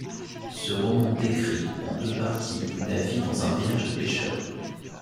Ce roman décrit, en deux parties, la vie dans un village de pêcheurs.